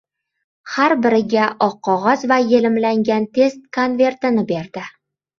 Har biriga oq qogʻoz va yelimlangan test konvertini berdi